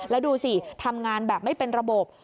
แล้วดูสิทำงานแบบไม่เป็นระบบ